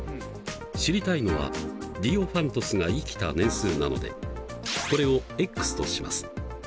知りたいのはディオファントスが生きた年数なのでこれをとします。